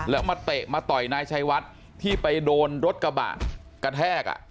แล้วมาเตะมาต่อยนายชัยวัดที่ไปโดนรถกระบะกระแทก